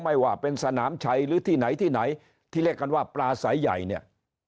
ไม่ว่าเป็นสนามชัยหรือที่ไหนที่ไหนที่เรียกกันว่าปลาสายใหญ่เนี่ย